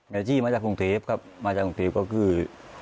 อาชีพมาจากกรุงเทพครับมาจากกรุงเทพก็คือ